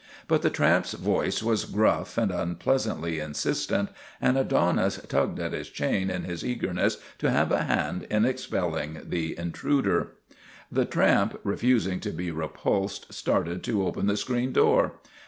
But the tramp's voice was gruff and unpleas antly insistent, and Adonis tugged at his chain in his eagerness to have a hand in expelling the in truder. The tramp, refusing to be repulsed, started to open the screen door.